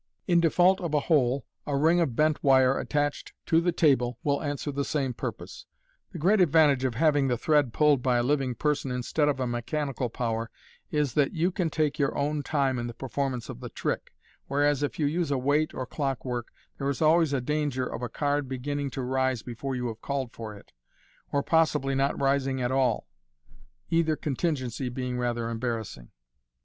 In default of a hole, a ring of bent wire attached to the table will answer the Fig. 44. I2S MODERN MA GIC. same purpose. The great advantage of having the thread pulled b> a living person instead of a mechanical power is, that you can take your own time in the performance of the trick $ whereas, if you use a weight or clockwork, there is always a danger of a card beginning to rise before you have called for it, or possibly not rising at all — tither contingency being rather embarrassing.